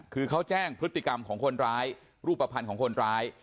คือเขาแจ้งพฤติกรรมของคนร้ายรูปภัณฑ์ของคนร้าย